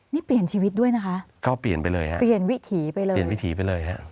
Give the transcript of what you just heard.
นี่เปลี่ยนชีวิตด้วยนะคะก็เปลี่ยนไปเลยฮะเปลี่ยนวิถีไปเลยเปลี่ยนวิถีไปเลยฮะ